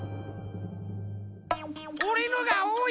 おれのがおおい？